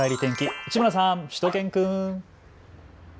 市村さん、しゅと犬くん。